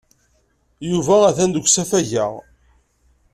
Yuba atan deg usafag-a.